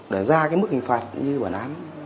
để ra mức hình phạt như bản án